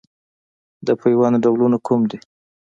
د پیوند ډولونه کوم دي؟